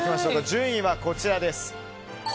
順位はこちらです。